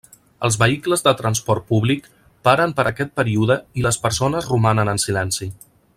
Els vehicles de transport públic paren per aquest període i les persones romanen en silenci.